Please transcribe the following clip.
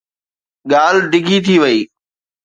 ڳالهه ڊگهي ٿي وئي.